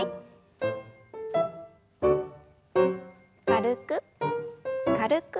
軽く軽く。